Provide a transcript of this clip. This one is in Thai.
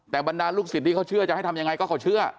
แต่บรรดาลูกศิษย์ที่เขาเชื่อจะให้ทำยังไงก็เขาเชื่อ